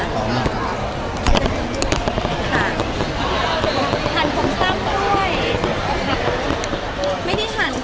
พี่แม่ครับเพิ่งได้มีตลาด